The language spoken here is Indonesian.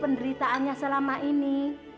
penderitaannya selama ini